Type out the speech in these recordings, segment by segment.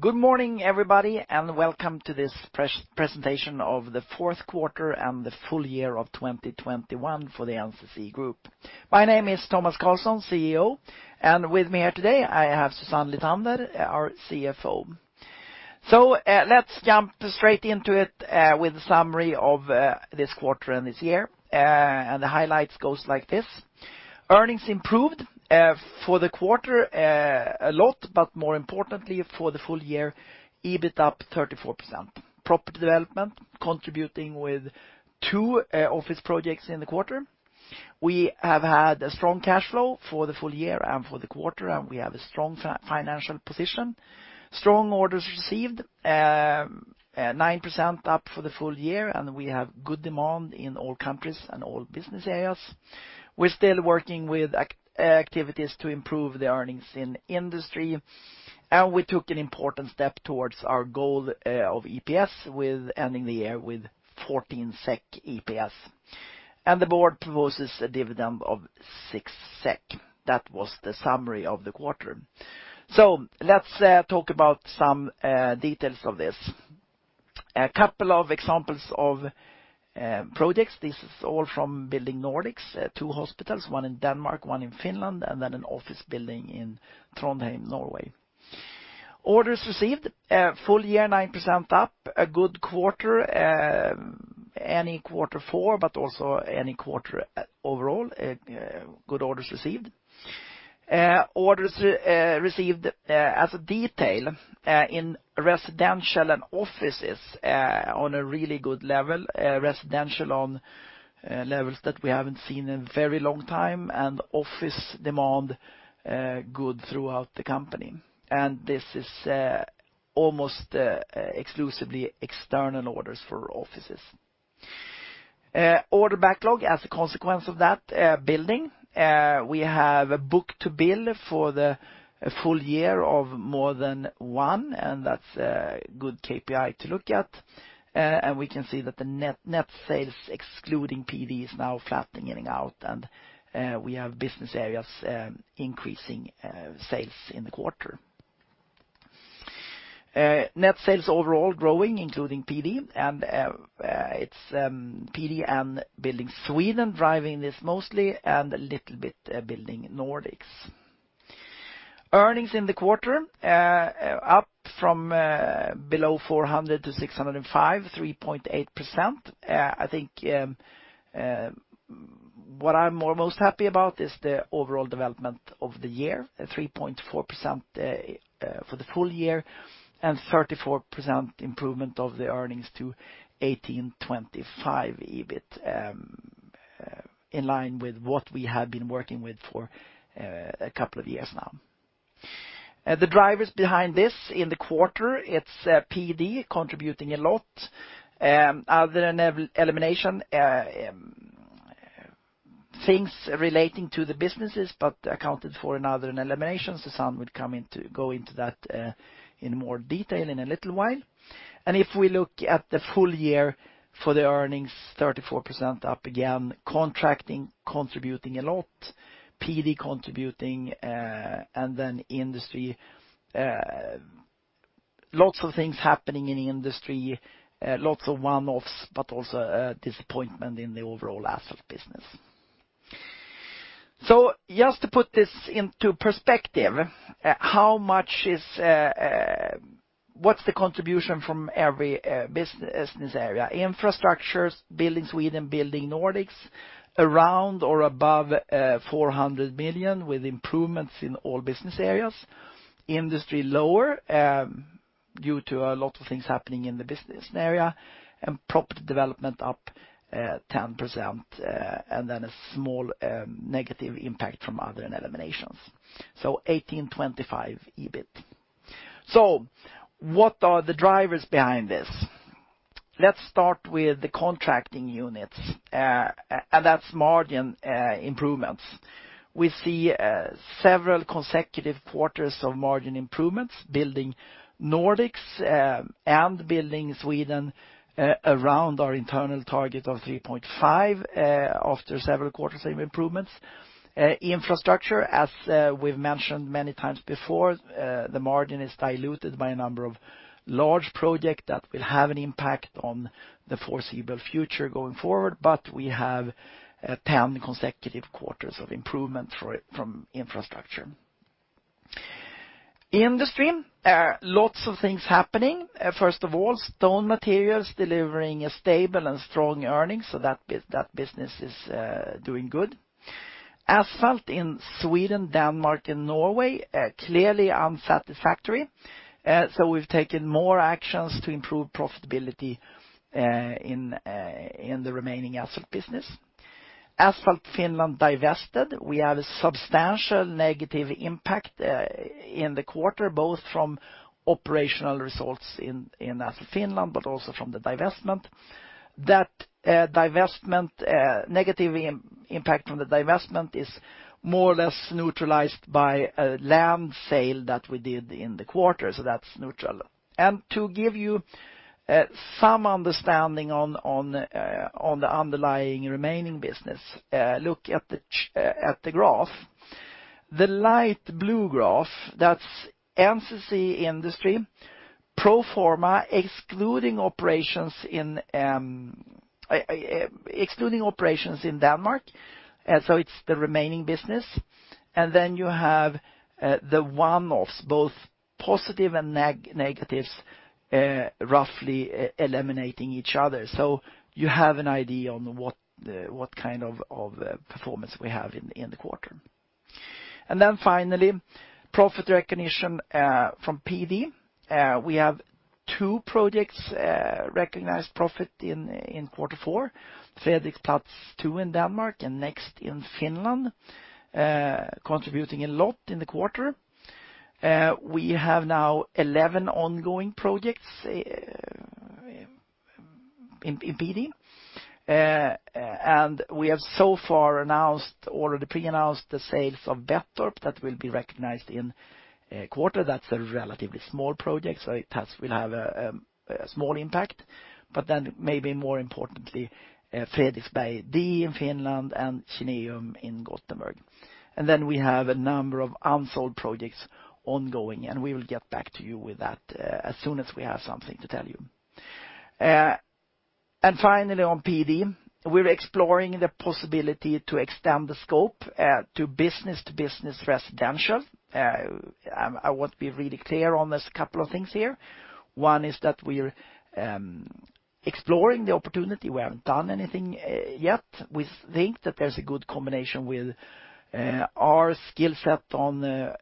Good morning, everybody, and welcome to this presentation of the fourth quarter and the full year of 2021 for the NCC Group. My name is Tomas Carlsson, CEO, and with me here today, I have Susanne Lithander, our CFO. Let's jump straight into it with a summary of this quarter and this year. The highlights goes like this. Earnings improved for the quarter a lot, but more importantly, for the full year, EBIT up 34%. Property development contributing with two office projects in the quarter. We have had a strong cash flow for the full year and for the quarter, and we have a strong financial position. Strong orders received 9% up for the full year, and we have good demand in all countries and all business areas. We're still working with activities to improve the earnings in Industry, and we took an important step towards our goal of EPS with ending the year with 14 SEK EPS. The board proposes a dividend of 6 SEK. That was the summary of the quarter. Let's talk about some details of this. A couple of examples of projects. This is all from Building Nordics, two hospitals, one in Denmark, one in Finland, and then an office building in Trondheim, Norway. Orders received full year 9% up, a good quarter in Q4, but also any quarter overall, good orders received. Orders received, as a detail, in residential and offices, on a really good level, residential on levels that we haven't seen in a very long time, and office demand good throughout the company. This is almost exclusively external orders for offices. Order backlog as a consequence of that, building. We have a book-to-bill for the full year of more than one, and that's a good KPI to look at. We can see that the net sales, excluding PD, is now flattening out, and we have business areas increasing sales in the quarter. Net sales overall growing, including PD, and it's PD and Building Sweden driving this mostly and a little bit Building Nordics. Earnings in the quarter up from below 400 to 605, 3.8%. I think what I'm most happy about is the overall development of the year, 3.4% for the full year and 34% improvement of the earnings to 1,825 EBIT, in line with what we have been working with for a couple of years now. The drivers behind this in the quarter, it's PD contributing a lot. Other than eliminations, things relating to the businesses, but accounted for in other than eliminations. Susanne would go into that in more detail in a little while. If we look at the full year for the earnings, 34% up again, contracting contributing a lot, PD contributing, and then industry, lots of things happening in industry, lots of one-offs, but also a disappointment in the overall asset business. Just to put this into perspective, how much is, what's the contribution from every business area? Infrastructure, Building Sweden, Building Nordics, around or above 400 million with improvements in all business areas. Industry lower, due to a lot of things happening in the business area, and Property Development up 10%, and then a small negative impact from other than eliminations. 1,825 EBIT. What are the drivers behind this? Let's start with the contracting units, and that's margin improvements. We see several consecutive quarters of margin improvements, Building Nordics, and Building Sweden around our internal target of 3.5%, after several quarters of improvements. Infrastructure, as we've mentioned many times before, the margin is diluted by a number of large projects that will have an impact on the foreseeable future going forward. We have 10 consecutive quarters of improvement from Infrastructure. Industry, lots of things happening. First of all, stone materials delivering a stable and strong earnings, so that business is doing good. Asphalt in Sweden, Denmark, and Norway clearly unsatisfactory. We've taken more actions to improve profitability in the remaining asphalt business. Asphalt Finland divested. We have a substantial negative impact in the quarter, both from operational results in Asphalt Finland, but also from the divestment. That divestment negative impact from the divestment is more or less neutralized by a land sale that we did in the quarter. That's neutral. To give you some understanding on the underlying remaining business, look at the graph. The light blue graph, that's NCC Industry pro forma excluding operations in Denmark, and so it's the remaining business. Then you have the one-offs, both positive and negatives, roughly eliminating each other. You have an idea on what kind of performance we have in the quarter. Then finally, profit recognition from PD. We have two projects recognized profit in quarter four. Frederiks Plads 2 in Denmark, and Next in Finland, contributing a lot in the quarter. We have now 11 ongoing projects in PD. We have so far announced or pre-announced the sales of Våltorp that will be recognized in quarter. That's a relatively small project, so it will have a small impact. Maybe more importantly, Fredriksberg D in Finland and Kineum in Gothenburg. We have a number of unsold projects ongoing, and we will get back to you with that as soon as we have something to tell you. Finally on PD, we're exploring the possibility to extend the scope to business-to-business residential. I want to be really clear on this, couple of things here. One is that we're exploring the opportunity. We haven't done anything yet. We think that there's a good combination with our skill set on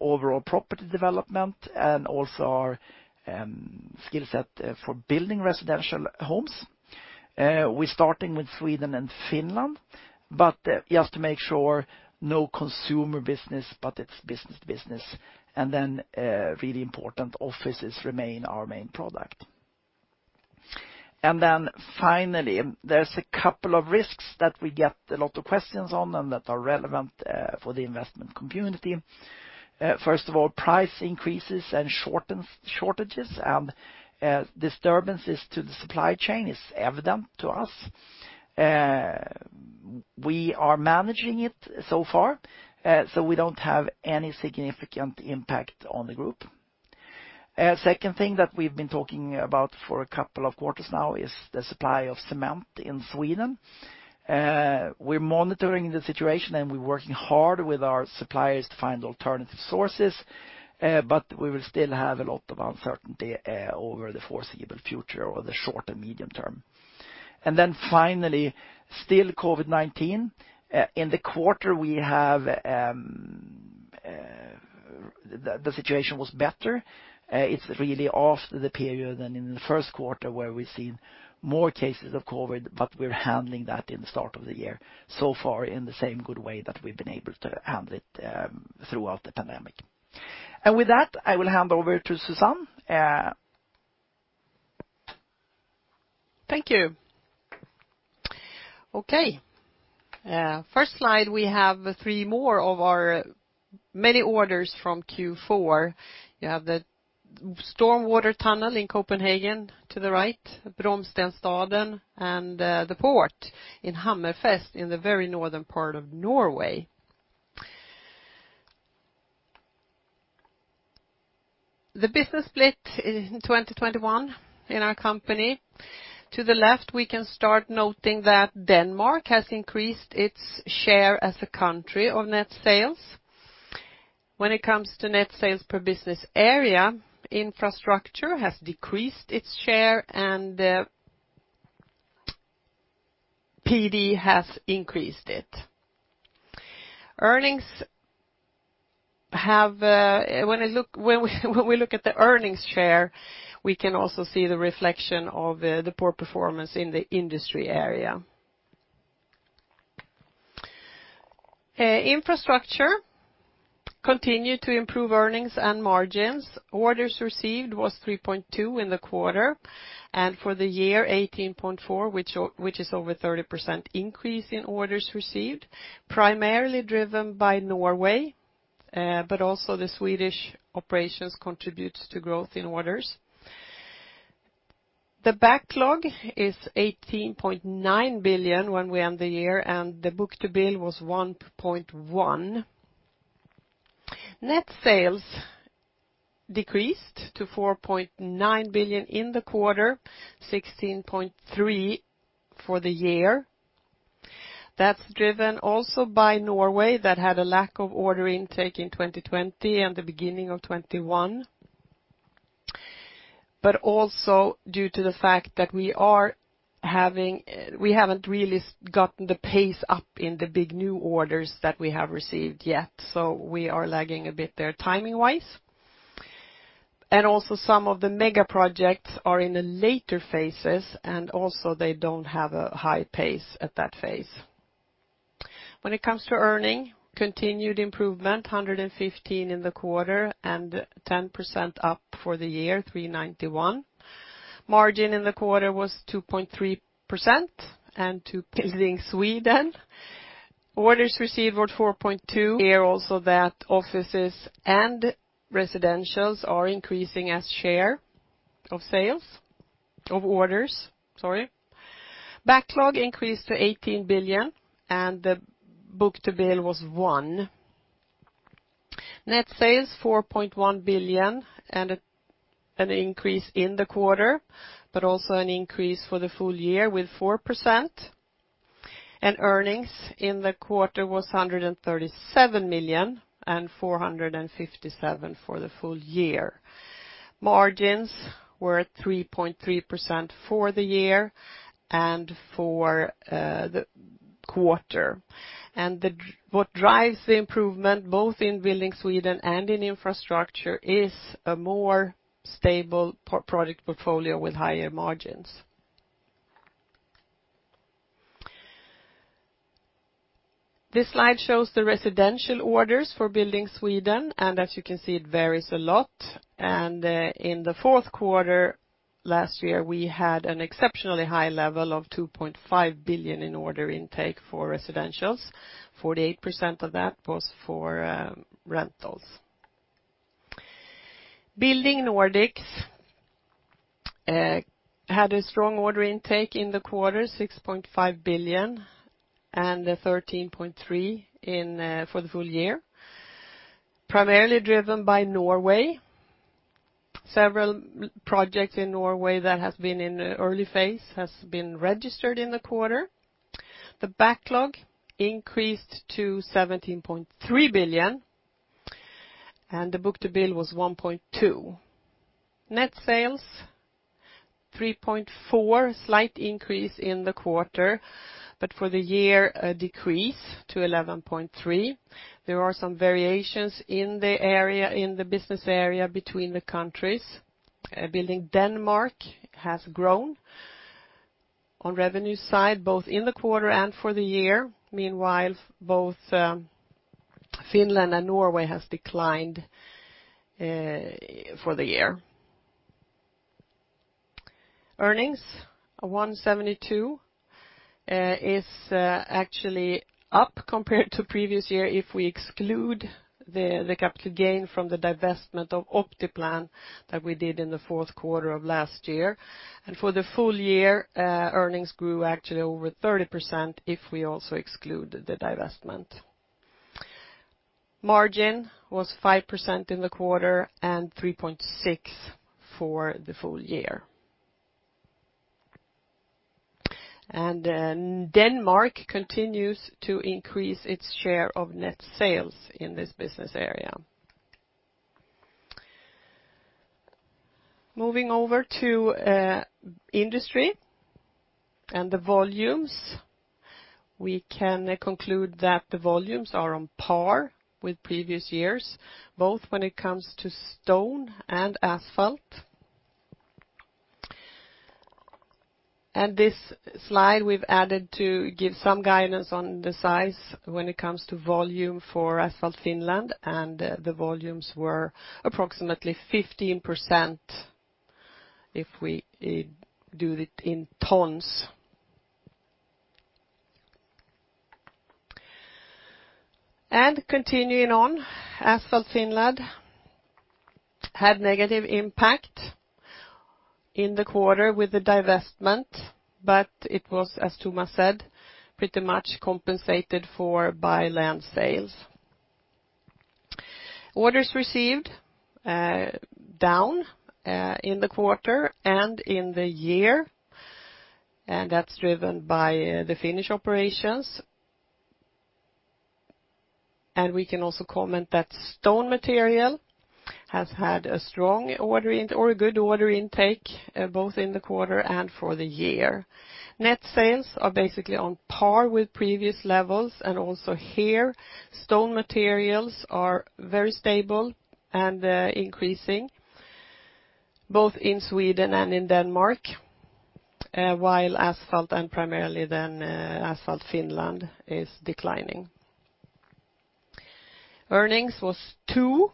overall property development and also our skill set for building residential homes. We're starting with Sweden and Finland, but just to make sure no consumer business, but it's business to business. Really important, offices remain our main product. Finally, there's a couple of risks that we get a lot of questions on and that are relevant for the investment community. First of all, price increases and shortages and disturbances to the supply chain is evident to us. We are managing it so far, so we don't have any significant impact on the group. Second thing that we've been talking about for a couple of quarters now is the supply of cement in Sweden. We're monitoring the situation, and we're working hard with our suppliers to find alternative sources, but we will still have a lot of uncertainty over the foreseeable future or the short and medium term. Finally, still COVID-19. In the quarter, the situation was better. It's really after the period and in the first quarter where we've seen more cases of COVID, but we're handling that in the start of the year, so far in the same good way that we've been able to handle it throughout the pandemic. With that, I will hand over to Susanne. Thank you. Okay. First slide, we have three more of our many orders from Q4. You have the Stormwater Tunnel in Copenhagen to the right, Bromstensstaden, and the port in Hammerfest in the very northern part of Norway. The business split in 2021 in our company. To the left, we can start noting that Denmark has increased its share as a country of net sales. When it comes to net sales per business area, Infrastructure has decreased its share, and PD has increased it. Earnings have, when we look at the earnings share, we can also see the reflection of the poor performance in the Industry area. Infrastructure continued to improve earnings and margins. Orders received was 3.2 billion in the quarter, and for the year, 18.4 billion, which is over 30% increase in orders received, primarily driven by Norway, but also the Swedish operations contributes to growth in orders. The backlog is 18.9 billion when we end the year, and the book-to-bill was 1.1. Net sales decreased to 4.9 billion in the quarter, 16.3 billion for the year. That's driven also by Norway that had a lack of order intake in 2020 and the beginning of 2021. Also due to the fact that we are having, we haven't really gotten the pace up in the big new orders that we have received yet. So we are lagging a bit there timing-wise. Also some of the mega projects are in the later phases, and also they don't have a high pace at that phase. When it comes to earnings, continued improvement, 115 million in the quarter, and 10% up for the year, 391 million. Margin in the quarter was 2.3%, and 2% in Sweden. Orders received were 4.2 billion. Here also that offices and residentials are increasing as share of orders, sorry. Backlog increased to 18 billion, and the book-to-bill was one. Net sales 4.1 billion and an increase in the quarter, but also an increase for the full year with 4%. Earnings in the quarter was 137 million and 457 million for the full year. Margins were at 3.3% for the year and for the quarter. What drives the improvement, both in Building Sweden and in Infrastructure, is a more stable product portfolio with higher margins. This slide shows the residential orders for Building Sweden, and as you can see, it varies a lot. In the fourth quarter last year, we had an exceptionally high level of 2.5 billion in order intake for residential. 48% of that was for rentals. Building Nordics had a strong order intake in the quarter, 6.5 billion, and 13.3 billion for the full year, primarily driven by Norway. Several major projects in Norway that has been in the early phase has been registered in the quarter. The backlog increased to 17.3 billion, and the book-to-bill was 1.2. Net sales, 3.4 billion, slight increase in the quarter, but for the year, a decrease to 11.3 billion. There are some variations in the area, in the business area between the countries. Building Denmark has grown on revenue side, both in the quarter and for the year. Meanwhile, both Finland and Norway has declined for the year. Earnings, 172, is actually up compared to previous year if we exclude the capital gain from the divestment of Optiplan that we did in the fourth quarter of last year. For the full year, earnings grew actually over 30% if we also exclude the divestment. Margin was 5% in the quarter and 3.6% for the full year. Denmark continues to increase its share of net sales in this business area. Moving over to Industry and the volumes, we can conclude that the volumes are on par with previous years, both when it comes to stone and asphalt. This slide we've added to give some guidance on the size when it comes to volume for Asphalt Finland, and the volumes were approximately 15% if we do it in tons. Continuing on, Asphalt Finland had negative impact in the quarter with the divestment, but it was, as Tomas said, pretty much compensated for by land sales. Orders received down in the quarter and in the year, and that's driven by the Finnish operations. We can also comment that stone material has had a good order intake both in the quarter and for the year. Net sales are basically on par with previous levels, and also here, stone materials are very stable and increasing both in Sweden and in Denmark while asphalt, and primarily then, Asphalt Finland, is declining. Earnings was 2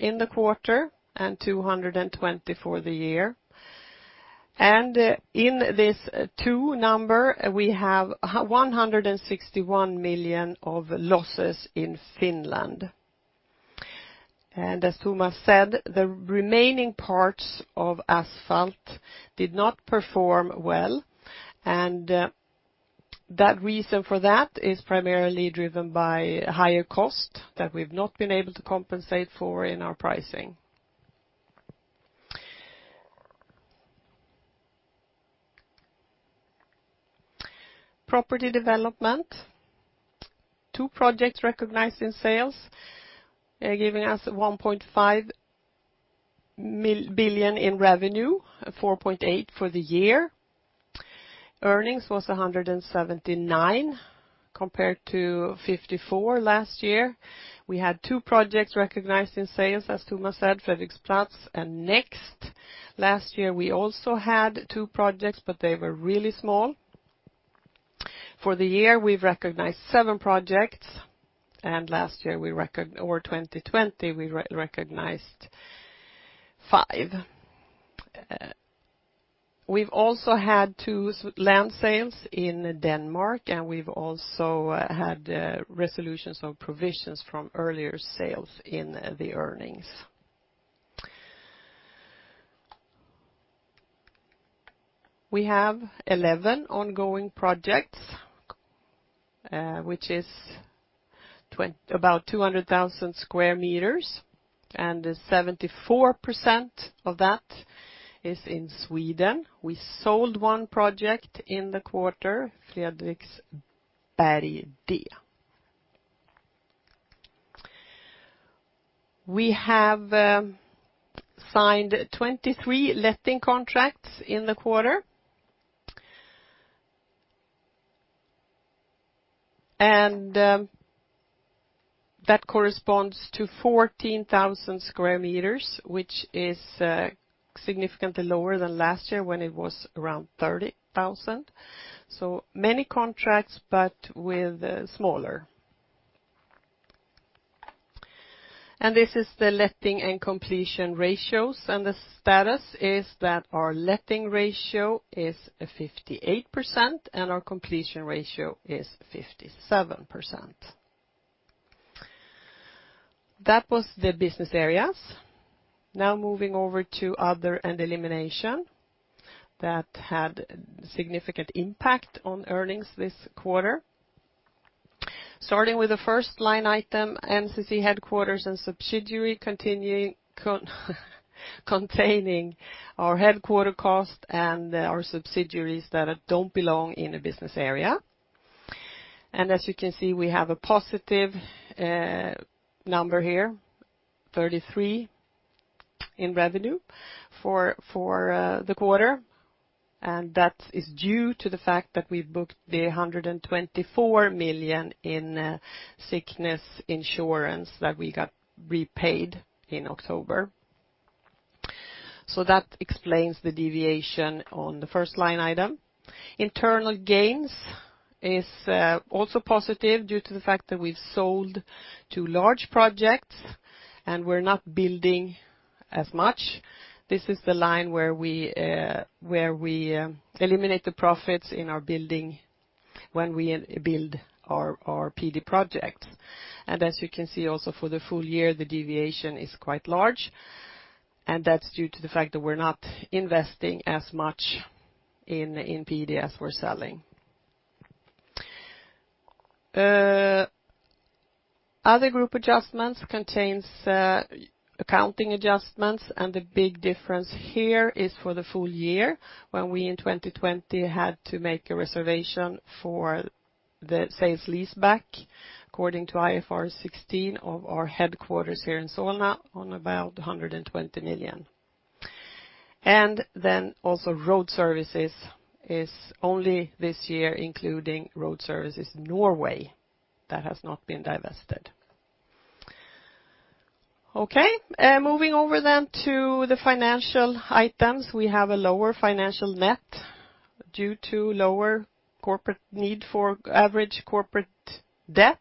in the quarter and 220 for the year. In this two number, we have one hundred and sixty-one million of losses in Finland. As Tomas said, the remaining parts of Asphalt did not perform well, and the reason for that is primarily driven by higher cost that we've not been able to compensate for in our pricing. Property Development, two projects recognized in sales, giving us 1.5 billion in revenue, 4.8 billion for the year. Earnings was 179 compared to 54 last year. We had two projects recognized in sales, as Tomas said, Frederiks Plads and Next. Last year, we also had two projects, but they were really small. For the year, we've recognized seven projects, and last year, or 2020, we recognized five. We've also had two land sales in Denmark, and we've also had resolutions of provisions from earlier sales in the earnings. We have 11 ongoing projects, which is about 200,000 sq m, and 74% of that is in Sweden. We sold one project in the quarter, Fredriksberg D. We have signed 23 letting contracts in the quarter. That corresponds to 14,000 sq m, which is significantly lower than last year when it was around 30,000. Many contracts, but with smaller. This is the letting and completion ratios. The status is that our letting ratio is 58% and our completion ratio is 57%. That was the business areas. Now moving over to other and elimination that had significant impact on earnings this quarter. Starting with the first line item, NCC headquarters and subsidiaries containing our headquarters costs and our subsidiaries that don't belong in a business area. As you can see, we have a positive number here, 33 in revenue for the quarter. That is due to the fact that we've booked 124 million in sickness insurance that we got repaid in October. That explains the deviation on the first line item. Internal gains is also positive due to the fact that we've sold two large projects and we're not building as much. This is the line where we eliminate the profits in our building when we build our PD project. As you can see also for the full year, the deviation is quite large, and that's due to the fact that we're not investing as much in PD as we're selling. Other group adjustments contains accounting adjustments, and the big difference here is for the full year, when we in 2020 had to make a reservation for the sales leaseback, according to IFRS 16 of our headquarters here in Solna on about 120 million. Then also road services is only this year, including Road Services Norway that has not been divested. Okay. Moving over then to the financial items. We have a lower financial net due to lower net interest on average corporate debt.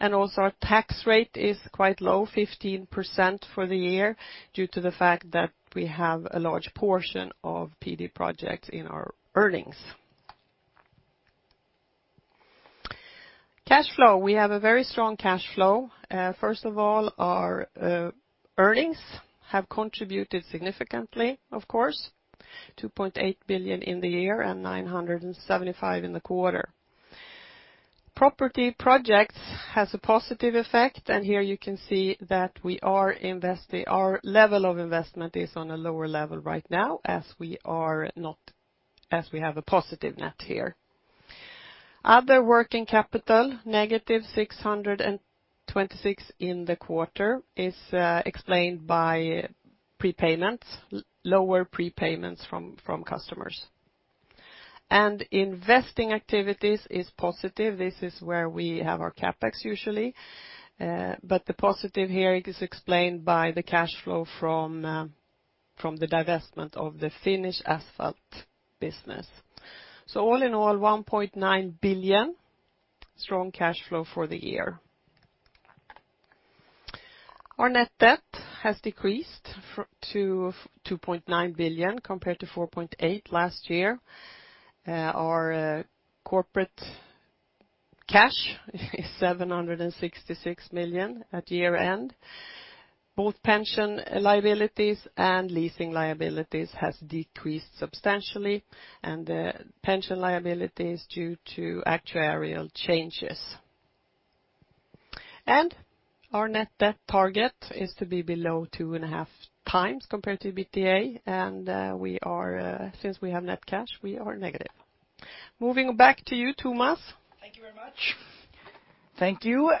Our tax rate is quite low, 15% for the year, due to the fact that we have a large portion of PD projects in our earnings. Cash flow. We have a very strong cash flow. First of all, our earnings have contributed significantly, of course, 2.8 billion in the year and 975 million in the quarter. Property projects has a positive effect, and here you can see that we are investing. Our level of investment is on a lower level right now as we have a positive net here. Other working capital, -626 million in the quarter is explained by prepayments, lower prepayments from customers. Investing activities is positive. This is where we have our CapEx usually. The positive here is explained by the cash flow from the divestment of the Finnish asphalt business. All in all, 1.9 billion strong cash flow for the year. Our net debt has decreased to 2.9 billion compared to 4.8 billion last year. Our corporate cash is 766 million at year-end. Both pension liabilities and leasing liabilities has decreased substantially, and pension liability is due to actuarial changes. Our net debt target is to be below 2.5 times compared to EBITDA. Since we have net cash, we are negative. Moving back to you, Tomas. Thank you very much. Thank you.